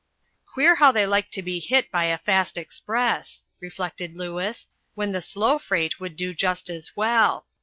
"Queer how they like to be hit by a fast express," reflected Lewis, "when a slow freight would do just as well.